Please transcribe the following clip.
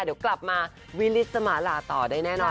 เดี๋ยวกลับมาวิลิสมาลาต่อได้แน่นอน